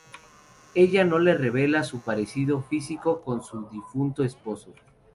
Ella no le revela su parecido físico con su difunto esposo.